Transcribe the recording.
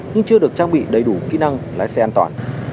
nhưng chưa được trang bị đầy đủ kỹ năng lái xe an toàn